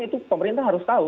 itu pemerintah harus tahu